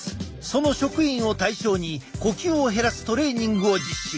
その職員を対象に呼吸を減らすトレーニングを実施。